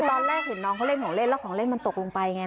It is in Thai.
ตอนแรกเห็นน้องเขาเล่นของเล่นแล้วของเล่นมันตกลงไปไง